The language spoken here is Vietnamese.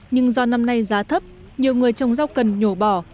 nhưng do năm nay giá thấp nhiều người trồng rau cần nhổ bỏ